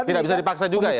tidak bisa dipaksa juga ya